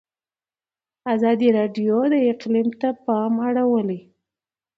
ازادي راډیو د اقلیم ته پام اړولی.